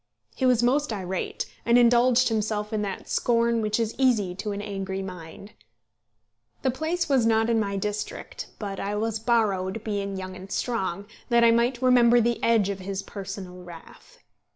He was most irate, and indulged himself in that scorn which is so easy to an angry mind. The place was not in my district, but I was borrowed, being young and strong, that I might remember the edge of his personal wrath.